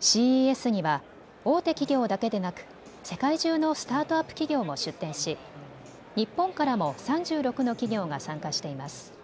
ＣＥＳには大手企業だけでなく世界中のスタートアップ企業も出展し日本からも３６の企業が参加しています。